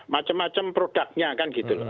macam macam produknya kan gitu loh